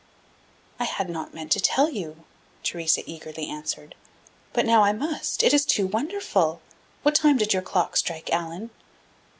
"I had not meant to tell you," Theresa eagerly answered, "but now I must. It is too wonderful. What time did your clock strike, Allan?"